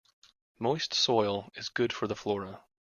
Moist soil is good for the flora.